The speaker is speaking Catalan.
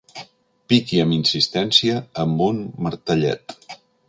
Piqui amb insistència amb un martellet.